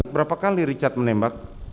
berapa kali richard menembak